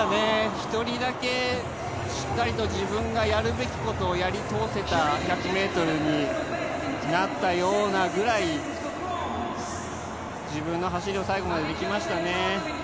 １人だけしっかり自分がやるべきことをやり通せた１００ｍになったようなぐらい、自分の走りを最後までできましたね。